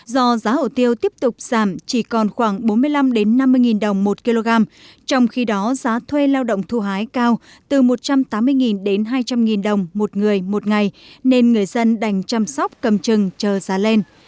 do giá hổ tiêu tiếp tục giảm chỉ còn khoảng bốn mươi năm năm mươi đồng một kg trong khi đó giá thuê lao động thu hái cao từ một trăm tám mươi đến hai trăm linh đồng một người một ngày nên người dân đành chăm sóc cầm trừng chờ giá lên